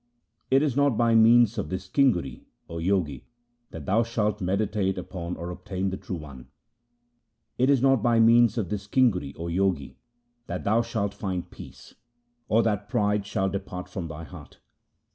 It is not by means of this kinguri O Jogi, that thou shalt meditate upon or obtain the True One ; It is not by means of this kinguri, O Jogi, that thou shalt find peace, or that pride shall depart from thy heart.